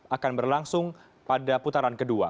akan berlangsung pada putaran kedua